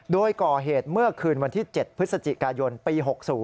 โดยก่อเหตุเมื่อคืนวันที่๗พฤศจิกายนปี๖๐